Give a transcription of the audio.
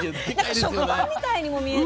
なんか食パンみたいにも見える。